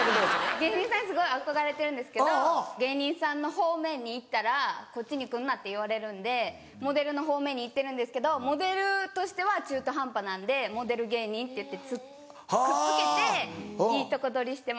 芸人さんにすごい憧れてるんですけど芸人さんの方面に行ったらこっち来んなって言われるんでモデルの方面に行ってるんですけどモデルとしては中途半端なんでモデル芸人っていってくっつけていいとこ取りしてます。